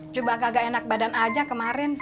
coba kagak enak badan aja kemarin